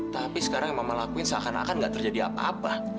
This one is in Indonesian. tapi sekarang yang mama lakuin seakan akan gak terjadi apa apa